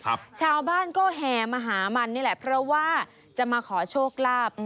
ชาวบ้านก็แห่มาหามันนี่แหละเพราะว่าจะมาขอโชคลาภ